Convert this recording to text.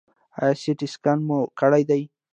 ایا سټي سکن مو کړی دی؟